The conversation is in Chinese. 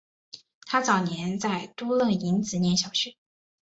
他早年在都楞营子念小学。